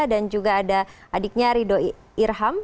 dan juga ada adiknya ridho irham